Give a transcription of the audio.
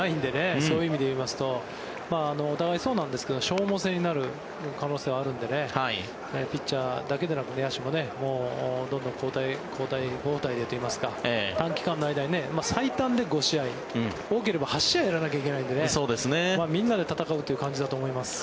そういう意味で言いますとお互いそうなんですけど消耗戦になる可能性があるのでピッチャーだけでなく野手もどんどん交代交代でといいますか短期間の間に最短で５試合多ければ８試合やらないといけないのでみんなで戦うという感じだと思います。